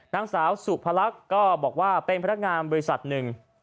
นางสาวสุพรรคก็บอกว่าเป็นพนักงานบริษัทหนึ่ง